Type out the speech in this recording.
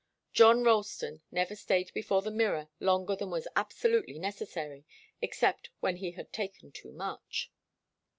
John Ralston never stayed before the mirror longer than was absolutely necessary, except when he had taken too much.